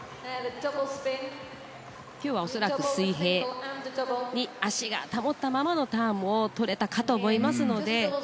今日は恐らく足を水平に保ったままのターンもとれたかと思いますので。